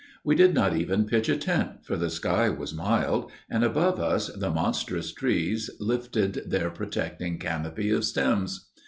We did not even pitch a tent, for the sky was mild, and above us the monstrous trees lifted their protecting canopy of stems.